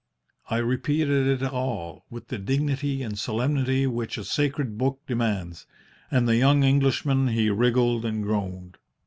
I repeated it all with the dignity and solemnity which a sacred book demands, and the young Englishman he wriggled and groaned.